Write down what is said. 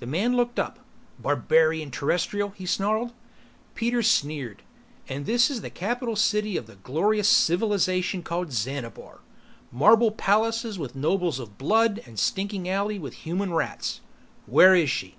The man looked up. "Barbarian Terrestrial!" he snarled. Peter sneered. "And this is the capital city of the glorious civilization called Xanabar? Marble palaces with nobles of the blood, and stinking alleys with human rats. Where is she?"